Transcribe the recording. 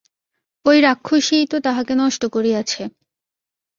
ওই রাক্ষসীই তো তাহাকে নষ্ট করিয়াছে।